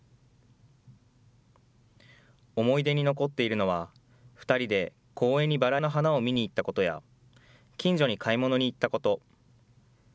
思い出に残っているのは、２人で公園にバラの花を見に行ったことや、近所に買い物に行ったこと。